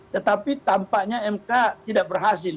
tetapi tampaknya mk tidak berhasil